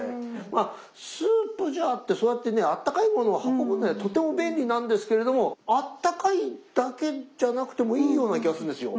まあスープジャーってそうやってねあったかいものを運ぶのにとても便利なんですけれどもあったかいだけじゃなくてもいいような気がするんですよ。